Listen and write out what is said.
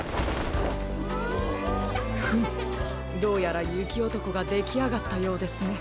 どうやらゆきおとこができあがったようですね。